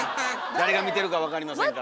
誰が見てるか分かりませんから。